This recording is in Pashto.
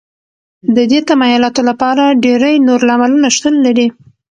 د دې تمایلاتو لپاره ډېری نور لاملونو شتون لري